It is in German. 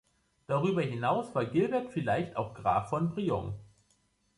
Darüber hinaus war Gilbert vielleicht auch Graf von Brionne.